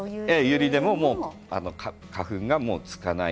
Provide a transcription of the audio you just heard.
ユリでも花粉がつかない。